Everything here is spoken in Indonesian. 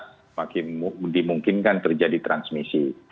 semakin dimungkinkan terjadi transmisi